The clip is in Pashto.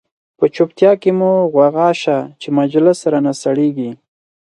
په چوپتیا کی مو غوغا شه، چه مجلس را نه سړیږی